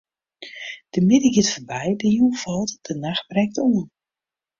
De middei giet foarby, de jûn falt, de nacht brekt oan.